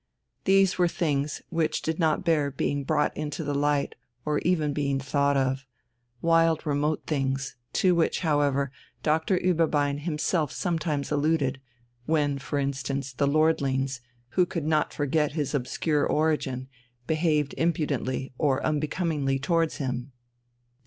These were things which did not bear being brought into the light or even being thought of, wild, remote things, to which, however, Doctor Ueberbein himself sometimes alluded when, for instance, the lordlings, who could not forget his obscure origin, behaved impudently or unbecomingly towards him.